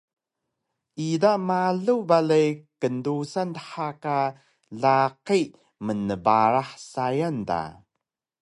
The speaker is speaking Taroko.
ida malu balay kndusan dha ka laqi mnbarah sayang da